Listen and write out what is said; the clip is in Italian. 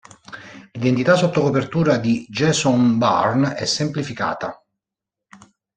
L'identità sotto copertura di Jason Bourne è semplificata.